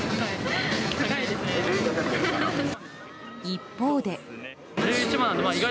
一方で。